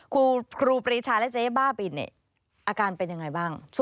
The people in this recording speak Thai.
ครูปรีชาและเจ๊บ้าบินเนี่ยอาการเป็นยังไงบ้าง